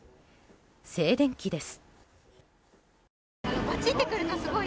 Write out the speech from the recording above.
静電気です。